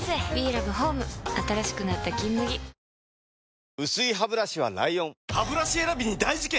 そして薄いハブラシは ＬＩＯＮハブラシ選びに大事件！